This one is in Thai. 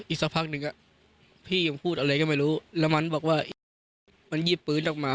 สักพักหนึ่งพี่ยังพูดอะไรก็ไม่รู้แล้วมันบอกว่ามันหยิบปืนออกมา